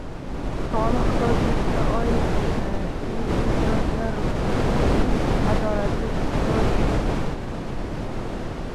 Soliq kodeksiga oid e’tirozlar. U eng adolatsiz kodeksmi?